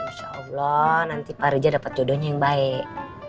insya allah nanti pak reza dapat jodohnya yang baik